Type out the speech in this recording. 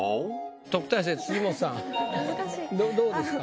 特待生辻元さんどどうですか？